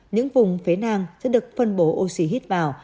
những vùng phế nang sẽ được phân bố oxy hít vào